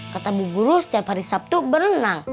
kata bu guru setiap hari sabtu berenang